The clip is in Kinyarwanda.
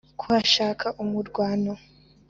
kuhashaka umurwano,